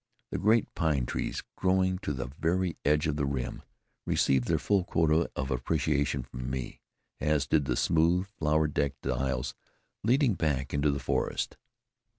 The great pine trees, growing to the very edge of the rim, received their full quota of appreciation from me, as did the smooth, flower decked aisles leading back into the forest.